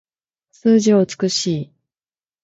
数字は美しい